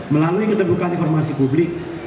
melalui keterbukaan informasi publik